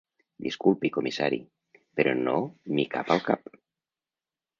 Disculpi, comissari, però no m'hi cap al cap.